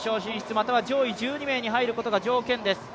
または上位１２名に入ることが条件です。